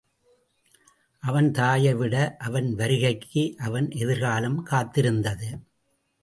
அவன் தாயை விட அவன் வருகைக்கு, அவன் எதிர்காலம் காத்திருந்தது.